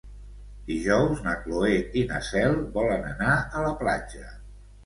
Dijous na Cloè i na Cel volen anar a la platja.